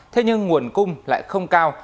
thế nhưng nguồn cung lại không cao